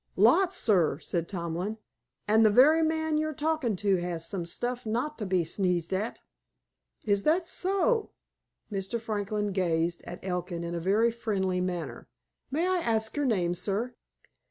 "Lots, sir," said Tomlin. "An' the very man you're talkin' to has some stuff not to be sneezed at." "Is that so?" Mr. Franklin gazed at Elkin in a very friendly manner. "May I ask your name, sir?"